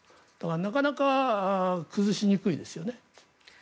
なかなか崩しにくいですよね。